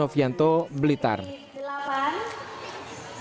sebagai penggalim pancasila